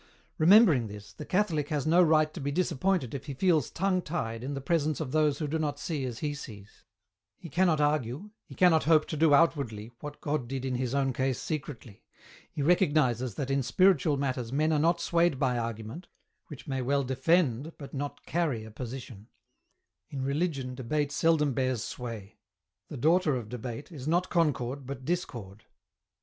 Remembering this, the Catholic has no right to be disappointed if he feels tongue tied in the presence of those who do not see as he sees ; he cannot argue, he cannot hope to do outwardly, what God did in his own case secretly, he recognizes that in spiritual matters men are not swayed by argument, which may well defend, but not carry, a position ; in religion debate seldom bears sway ; the daughter of debate is not concord, but discord.